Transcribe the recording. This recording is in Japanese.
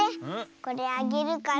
これあげるから。